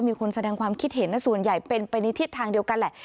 มีคนแสดงความคิดเห็นส่วนใหญ่เป็นไปในทิศทางเดียวกันแหละ